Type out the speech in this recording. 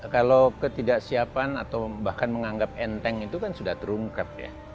kalau ketidaksiapan atau bahkan menganggap enteng itu kan sudah terungkap ya